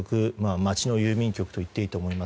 町の郵便局と言っていいと思います。